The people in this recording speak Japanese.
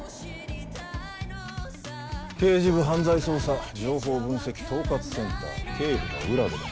刑事部犯罪捜査情報分析統括センター警部の占部だ。